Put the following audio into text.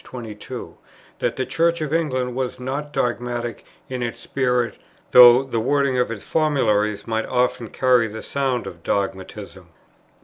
22; that the Church of England was not dogmatic in its spirit, though the wording of its formularies might often carry the sound of dogmatism, p.